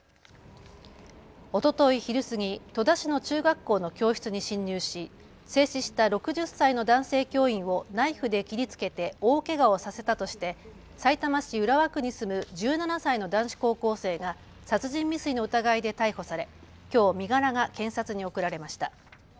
おととい昼過ぎ、戸田市の中学校の教室に侵入し制止した６０歳の男性教員をナイフで切りつけて大けがをさせたとしてさいたま市浦和区に住む１７歳の男子高校生が殺人未遂の疑いで逮捕されきょう身柄が検察に送られました。